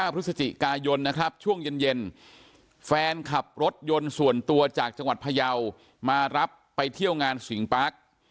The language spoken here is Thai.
พฤศจิกายนนะครับช่วงเย็นแฟนขับรถยนต์ส่วนตัวจากจังหวัดพยาวมารับไปเที่ยวงานสิงปาร์ค